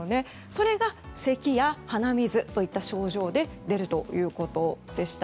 それがせきや鼻水といった症状で出るということでした。